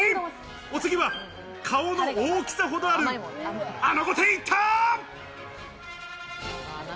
お次は顔の大きさほどある、アナゴ天行った！